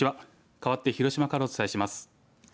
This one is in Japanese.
かわって広島からお伝えします。